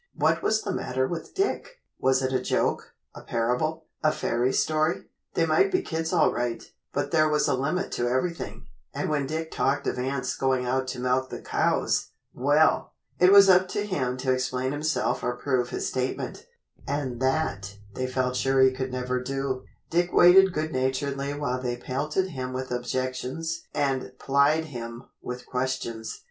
What was the matter with Dick? Was it a joke, a parable, a fairy story? They might be kids all right, but there was a limit to everything, and when Dick talked of ants going out to milk the cows well! It was up to him to explain himself or prove his statement, and that they felt sure he could never do. Dick waited good naturedly while they pelted him with objections and plied him with questions.